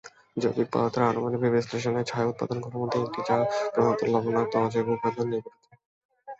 জৈবিক পদার্থের আনুমানিক বিশ্লেষণে ছাই উপাদানগুলির মধ্যে একটি, যা প্রধানত লবণাক্ত, অজৈব উপাদান নিয়ে গঠিত।